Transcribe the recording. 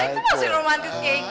itu masih romantis kayak gini